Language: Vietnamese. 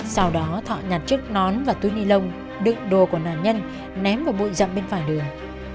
sau đó thọ nhặt chiếc nón và túi ni lông đựng đồ của nạn nhân ném vào bụi rậm bên phải đường